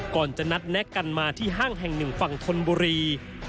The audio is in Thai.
ก่อนจะนัดแนะกันมาที่ห้างแห่งหนึ่งฝั่งธนบุรี